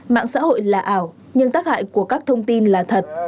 mạng xã hội là ảo nhưng tác hại của các thông tin là thật